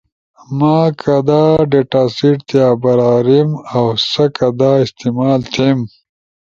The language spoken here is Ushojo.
ما کدا ڈیٹا سیٹ تی اباریم اؤ سا کدا استعمال تھیم۔